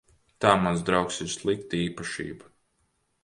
Tā, mans draugs, ir slikta īpašība.